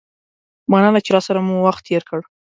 مننه چې راسره مو وخت تیر کړ.